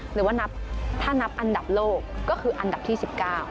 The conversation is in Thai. หรือว่านับถ้านับอันดับโลกก็คืออันดับที่๑๙